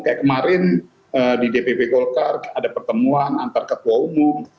kayak kemarin di dpp golkar ada pertemuan antar ketua umum